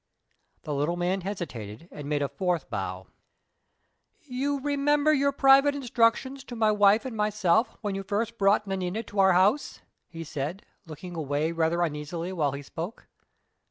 The little man hesitated, and made a fourth bow. "You remember your private instructions to my wife and myself, when you first brought Nanina to our house?" he said, looking away rather uneasily while he spoke.